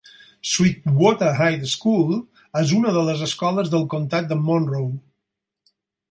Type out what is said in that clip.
Sweetwater High School és una de les escoles del comtat de Monroe.